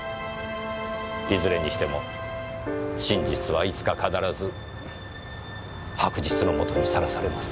いずれにしても真実はいつか必ず白日のもとにさらされます。